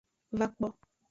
Va kpo.